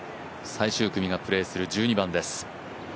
最終組がプレーする１２番です。